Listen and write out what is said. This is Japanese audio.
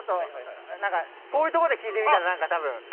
こういうとこで聞いてみたらなんかたぶん。